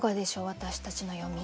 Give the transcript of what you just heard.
私たちの読み。